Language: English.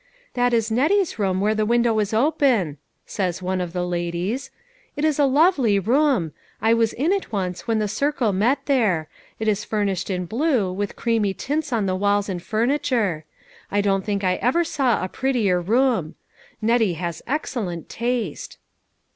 " That is Nettie's room where the window is open," says one of the ladies. " It is a lovely room ; I was in it once when the circle met there ; it is furnished in blue, with creamy tints on the walls and furniture. I don't think I ever saw a prettier room. Nettie has excellent taste."